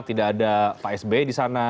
tidak ada pak s b di sana